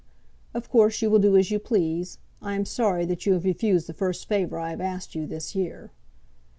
"Of course, you will do as you please. I am sorry that you have refused the first favour I have asked you this year."